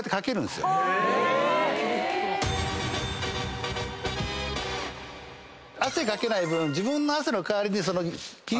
え⁉汗かけない分自分の汗の代わりに霧をふくわけ。